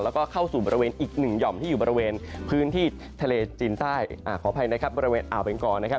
แล้วก็เข้าสู่บริเวณอีกหนึ่งห่อมที่อยู่บริเวณพื้นที่ทะเลจีนใต้ขออภัยนะครับบริเวณอ่าวเบงกอนะครับ